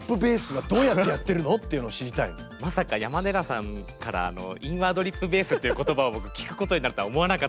まさか山寺さんから「インワードリップベース」という言葉を僕聞くことになるとは思わなかったんですけど。